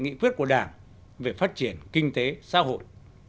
nghị quyết của đảng về phát triển kinh tế xã hội